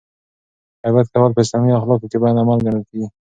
غیبت کول په اسلامي اخلاقو کې بد عمل ګڼل کیږي.